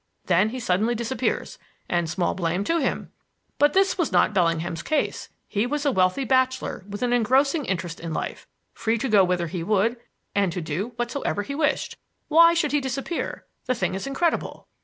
Then he suddenly disappears; and small blame to him. But this was not Bellingham's case. He was a wealthy bachelor with an engrossing interest in life, free to go whither he would and to do whatsoever he wished. Why should he disappear? The thing is incredible.